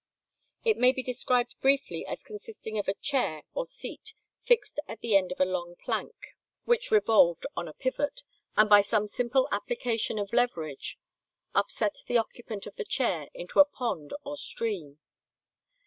It may be described briefly as consisting of a chair or seat fixed at the end of a long plank, which revolved on a pivot, and by some simple application of leverage upset the occupant of the chair into a pond or stream.